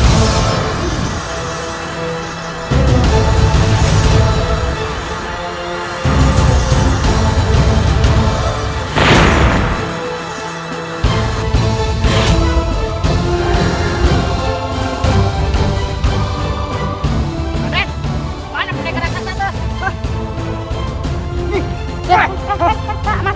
raden mana budek raksasa